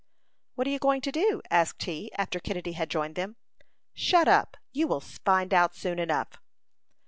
"What are you going to do?" asked he, after Kennedy had joined them. "Shut up! You will find out soon enough."